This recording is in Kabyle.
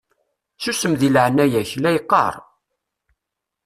Susem deg leɛnaya-k la yeqqaṛ!